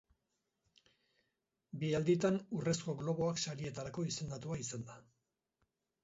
Bi alditan Urrezko Globoak sarietarako izendatua izan da.